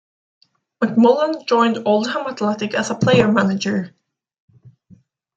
McMullan joined Oldham Athletic as a player-manager.